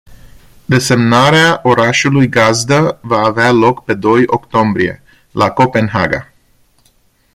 Desemnarea orașului gazdă, va avea loc pe doi octombrie, la Copenhaga.